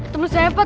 temen saya pak